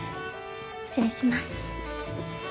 失礼します。